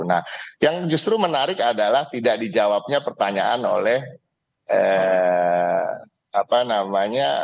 nah yang justru menarik adalah tidak dijawabnya pertanyaan oleh apa namanya